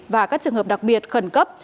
và các trường hợp đặc biệt khẩn cấp